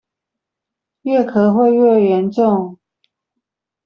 越咳會越嚴重